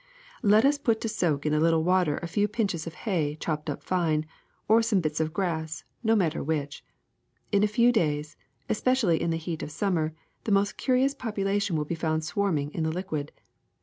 Let us put to soak in a little water a few pinches of hay chopped up fine, or some bits of grass, no matter which. In a few days, especially in the heat of sum mer, the most curious population will be found swarming in the liquid.